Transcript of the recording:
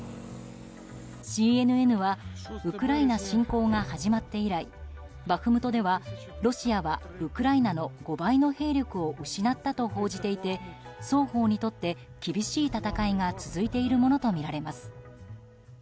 ＣＮＮはウクライナ侵攻が始まって以来バフムトでは、ロシアはウクライナの５倍の兵力を失ったと報じていて双方にとって厳しい戦いが続いているものとみられます。